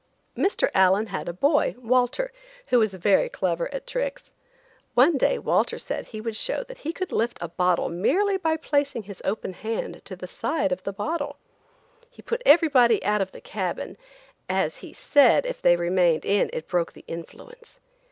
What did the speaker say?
Mr. Allen had a boy, Walter, who was very clever at tricks. One day Walter said he would show that he could lift a bottle merely by placing his open hand to the side of the bottle. He put everybody out of the cabin, as he said if they remained in it broke the influence.